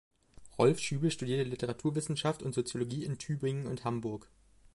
Rolf Schübel studierte Literaturwissenschaft und Soziologie in Tübingen und Hamburg.